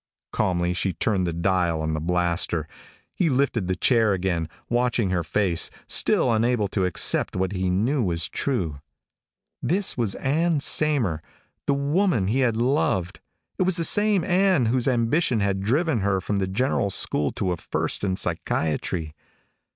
Calmly she turned the dial on the blaster. He lifted the chair again, watching her face, still unable to accept what he knew was true. This was Ann Saymer, the woman he had loved. It was the same Ann whose ambition had driven her from the general school to a First in Psychiatry.